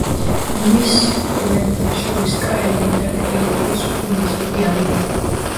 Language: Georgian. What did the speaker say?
მის სტუდენტთა შორის კაილინ და კეიდროს თომასები არიან.